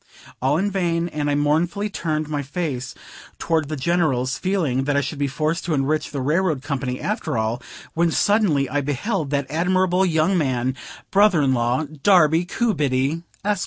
All in vain: and I mournfully turned my face toward the General's, feeling that I should be forced to enrich the railroad company after all; when, suddenly, I beheld that admirable young man, brother in law Darby Coobiddy, Esq.